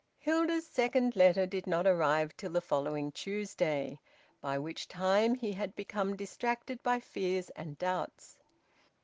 Hilda's second letter did not arrive till the following Tuesday, by which time he had become distracted by fears and doubts.